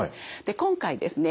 今回ですね